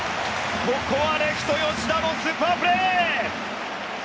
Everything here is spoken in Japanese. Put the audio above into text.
ここはレフト吉田のスーパープレー。